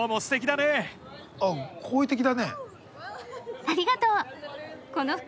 あっ好意的だね。